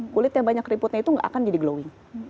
kulit yang banyak keriputnya itu nggak akan jadi glowing